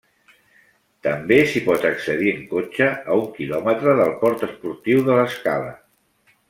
També s'hi pot accedir en cotxe, a un quilòmetre del port esportiu de l'Escala.